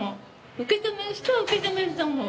受け止める人は受け止めると思う。